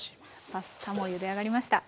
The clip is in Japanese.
パスタもゆで上がりました。